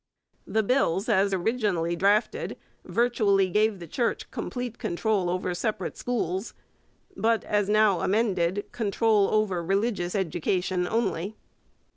The bills as originally drafted virtually gave the Church complete control over separate schools, but, as now amended, control over religious education only.